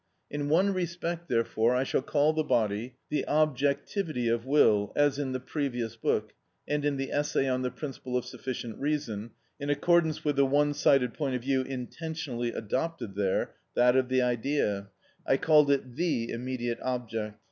In one respect, therefore, I shall call the body the objectivity of will; as in the previous book, and in the essay on the principle of sufficient reason, in accordance with the one sided point of view intentionally adopted there (that of the idea), I called it the immediate object.